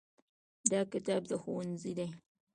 دا کتاب د ښوونځي دی.